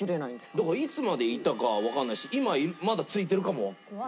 だからいつまでいたかわかんないし今まだついてるかもわかんない。